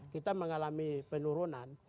kita mengalami penurunan